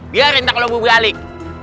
biarin tak lo buru buru balik